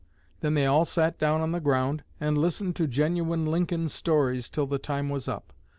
Then they all sat down on the ground and listened to genuine Lincoln stories till the time was up.